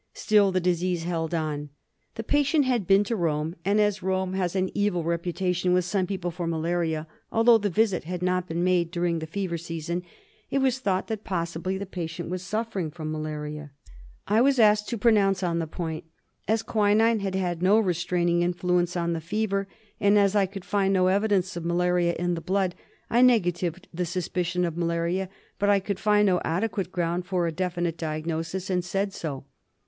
Still the disease held on. The patient had been to Rome; and as Rome has ah evil reputation with some people for malaria, although the visit had not been made during the fever season it was thought that possibly the patient was suffering from malaria. I was asked to pronounce on this point. As quinine had had no restraining influence on the fever,, and as I could find no evidence of malaria in the blood,. I negatived the suspicion of malaria; but I could find no adequate ground for a definite diagnosis, and said so.